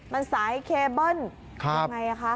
มันสายเคเบิ้ลครับอย่างไรอ่ะคะ